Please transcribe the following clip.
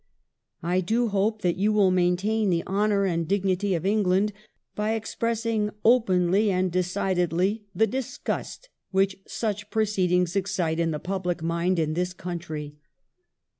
. I do hope that you will maintain the honour and dignity of England by expressing openly and decidedly the disgust which such proceed ings excite in the public mind in this country."